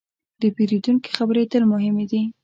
د پیرودونکي خبرې تل مهمې دي.